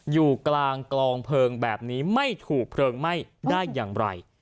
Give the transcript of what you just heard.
อยู่กลางกลองเพลิงแบบนี้ไม่ถูกเพลิงไหม้ได้อย่างไร